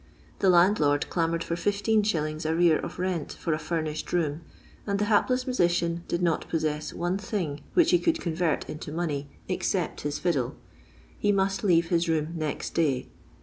The landlord clamoured for 15«. arrear of rent for a furnished room, and the hapless musician did not possess one thinif which he could convert into money except his hddle. He must leave his room next day.